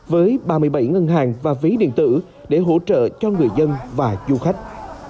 với ba mươi bảy ngân hàng và ví điện tử để hỗ trợ cho người dân và du khách